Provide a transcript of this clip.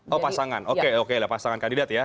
oh pasangan oke pasangan kandidat ya